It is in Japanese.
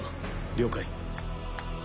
了解。